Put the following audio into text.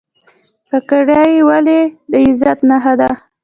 پګړۍ ولې د عزت نښه ده؟